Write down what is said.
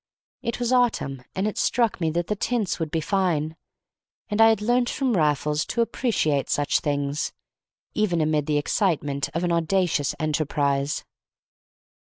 It was autumn, and it struck me that the tints would be fine. And I had learnt from Raffles to appreciate such things, even amid the excitement of an audacious enterprise.